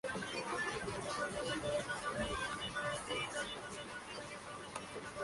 En Saw V, es salvada de la trampa por Hoffman.